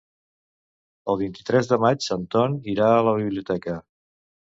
El vint-i-tres de maig en Ton irà a la biblioteca.